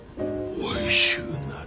おいしゅうなれ。